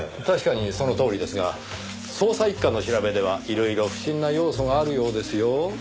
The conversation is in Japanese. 確かにそのとおりですが捜査一課の調べではいろいろ不審な要素があるようですよ。